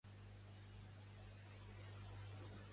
Què demanen les propostes d'aquests?